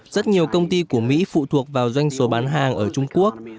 rất nhiều công ty của mỹ phụ thuộc vào doanh số bán hàng ở trung quốc